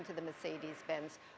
untuk bus mercedes benz yang anda juga